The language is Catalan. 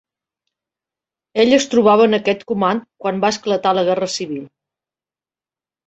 Ell es trobava en aquest comand quan va esclatar la guerra civil.